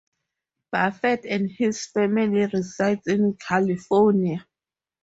Baffert, and his family reside in California.